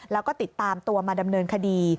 แล้วก็ติดตามตัวมาดำเนินคดี